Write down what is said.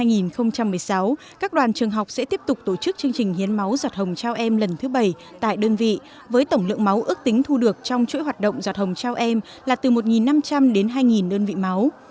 năm hai nghìn một mươi sáu các đoàn trường học sẽ tiếp tục tổ chức chương trình hiến máu do thông trao em lần thứ bảy tại đơn vị với tổng lượng máu ước tính thu được trong chuỗi hoạt động do thông trao em là từ một năm trăm linh đến hai đơn vị máu